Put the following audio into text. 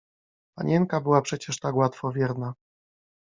Panienka była przecież tak łatwowierna!